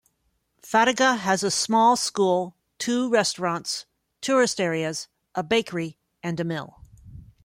Fataga has a small school, two restaurants, tourist areas, a bakery and a mill.